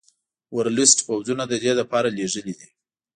ورلسټ پوځونه د دې لپاره لېږلي دي.